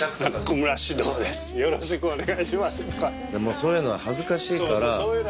そういうのは恥ずかしいから。